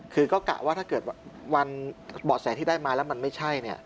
ก็กะว่าถ้าเกิดวันบอกแสที่ได้มาแล้วไม่ใช่